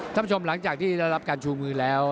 ท่านผู้ชมหลังจากที่ได้รับการชูมือแล้ว